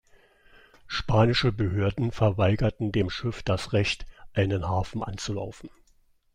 Spanische Behörden verweigerten dem Schiff das Recht, einen Hafen anzulaufen.